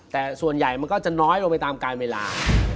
แต่ส่วนใหญ่มันก็จะน้อยลงไปตามการเวลา